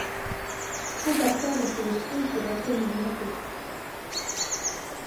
Son passage en sélection sera très mouvementé.